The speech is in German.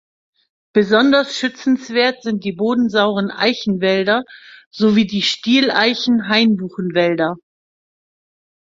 Besonders schützenswert sind die bodensauren Eichenwälder sowie die Stieleichen-Hainbuchenwälder.